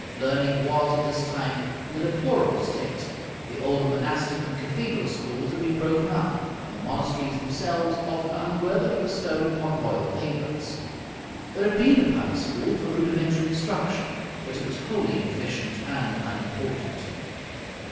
Learning was at this time in a deplorable state. The older monastic and cathedral schools had been broken up, and the monasteries themselves often unworthily bestowed upon royal favorites. There had been a palace school for rudimentary instruction, but it was wholly inefficient and unimportant.